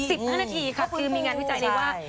ห้านาทีครับคือมีงานวิจัยเลยว่า